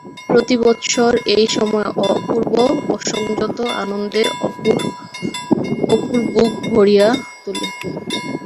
প্রতি বৎসর এই সময় অপূর্ব অসংযত আনন্দে অপুর বুক ভরিয়া তোলে।